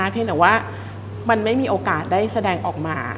เพียงแต่ว่ามันไม่มีโอกาสได้แสดงออกมา